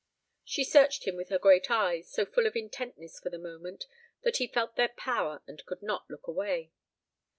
She searched him with her great eyes, so full of intentness for the moment that he felt their power and could not look away.